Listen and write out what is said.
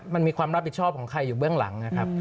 มันมีความรับผิดชอบของใครอยู่เบื้องหลังนะครับ